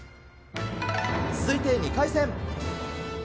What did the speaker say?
続いて２回戦。